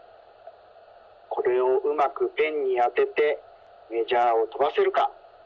これをうまくペンにあててメジャーをとばせるか。